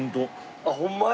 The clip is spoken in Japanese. あっホンマや。